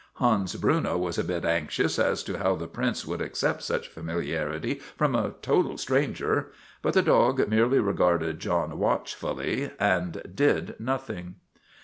Hans Bruno was a bit anxious as to how the Prince would accept such familiarity from a total stranger, but the dog merely regarded John watchfully and did nothing.